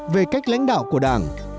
về cách lãnh đạo của đảng